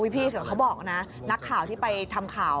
เขาบอกนะนักข่าวที่ไปทำข่าว